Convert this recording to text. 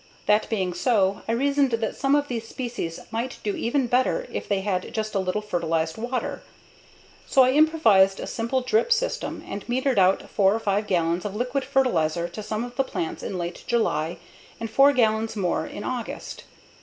That being so, I reasoned that some of these species might do even better if they had just a little fertilized water. So I improvised a simple drip system and metered out 4 or 5 gallons of liquid fertilizer to some of the plants in late July and four gallons more in August.